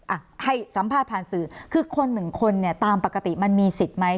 อ่ะให้สัมภาษณ์ผ่านสื่อคือคนหนึ่งคนเนี่ยตามปกติมันมีสิทธิ์ไหม